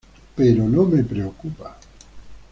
Pero no me preocupa.